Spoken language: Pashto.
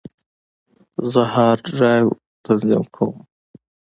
زه هارد ډرایو تنظیم کوم.